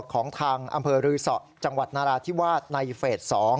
ของทางอำเภอรือสอจังหวัดนาราธิวาสในเฟส๒